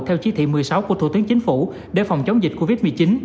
theo chí thị một mươi sáu của thủ tướng chính phủ để phòng chống dịch covid một mươi chín